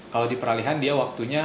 kalau di peralihan dia waktunya